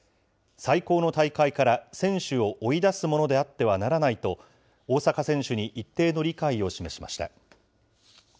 最高の大会から、選手を追い出すものであってはならないと、大坂選手に一定の理解を示しました。